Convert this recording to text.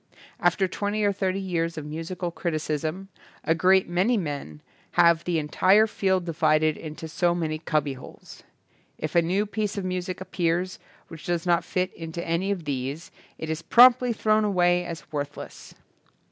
After twenty or thirty years of musical criticism a great many men have the entire field divided into so many cubbyholes. If a new piece of music appears which does not fit into any of these it is promptly thrown away as worthless.